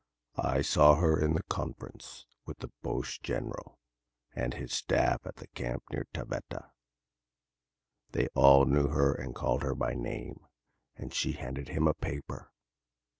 I saw her in conference with the Boche general and his staff at the camp near Taveta. They all knew her and called her by name and she handed him a paper.